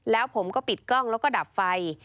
แล้วผมก็ปิดกล้องแล้วก็ดับไฟ